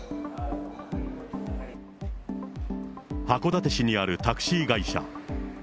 函館市にあるタクシー会社。